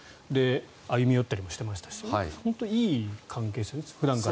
歩み寄ったりもしていましたしいい関係性ですね。